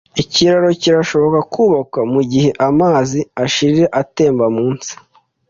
ikiraro kirashobora kubakwa, mu gihe amazi asharira atemba munsi